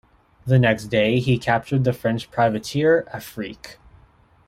The next day he captured the French privateer "Afrique".